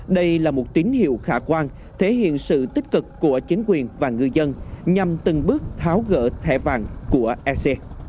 đây là một tín hiệu khả quan thể hiện sự tích cực của chính quyền và người dân nhằm từng bước tháo gỡ thẻ vàng của ec